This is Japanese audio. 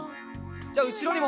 じゃあうしろにも。